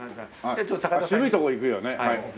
渋いとこいくよね。